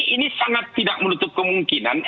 ini sangat tidak menutup kemungkinan